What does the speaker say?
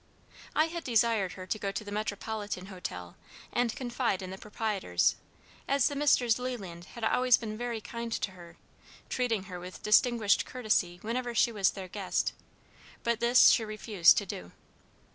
I had desired her to go to the Metropolitan Hotel, and confide in the proprietors, as the Messrs. Leland had always been very kind to her, treating her with distinguished courtesy whenever she was their guest; but this she refused to do.